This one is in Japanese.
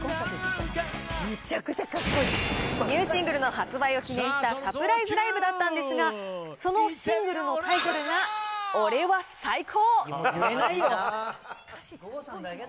ニューシングルの発売を記念したサプライズライブだったんですが、そのシングルのタイトルが、俺は最高！！！